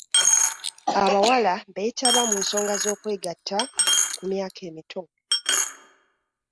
Abawala beetaba mu nsonga z'okwegatta ku myaka emito.